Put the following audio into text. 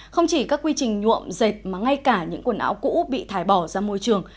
không chỉ các quy trình nhuộm dệt mà ngay cả những quần áo cũ bị thải bỏ ra môi trường